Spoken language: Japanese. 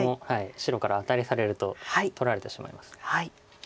白からアタリされると取られてしまいます。